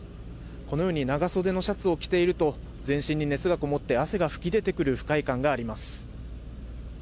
このように長袖のシャツを着ていると全身に熱がこもって汗が噴き出てくる不快感があります。